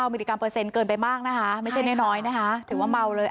มิลลิกรัมเปอร์เซ็นเกินไปมากนะคะไม่ใช่น้อยนะคะถือว่าเมาเลย